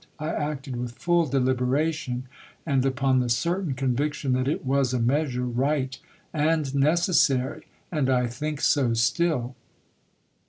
I acted with full de liberation, and upon the certain conviction that it was a measure right and necessary, and I think so still.